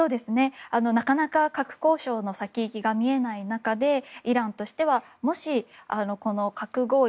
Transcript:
なかなか核交渉の先行きが見えない中でイランとしてはもし、この核合意。